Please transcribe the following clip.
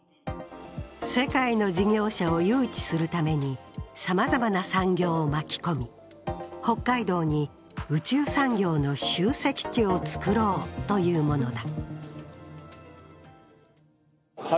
世界の事業者を誘致するためにさまざまな産業を巻き込み、北海道に宇宙産業の集積地を作ろうというものだ。